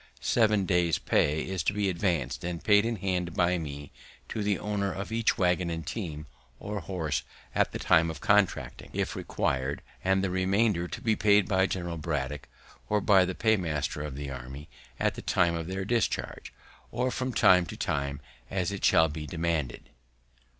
Seven days' pay is to be advanced and paid in hand by me to the owner of each waggon and team, or horse, at the time of contracting, if required, and the remainder to be paid by General Braddock, or by the paymaster of the army, at the time of their discharge, or from time to time, as it shall be demanded.